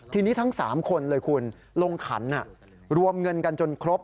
ทีนี้ทั้ง๓คนเลยคุณลงขันรวมเงินกันจนครบ